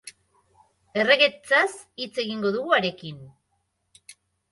Erregetzaz hitz egingo dugu harekin.